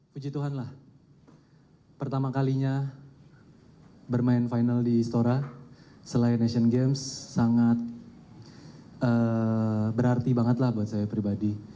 puji tuhan lah pertama kalinya bermain final di istora selain asian games sangat berarti banget lah buat saya pribadi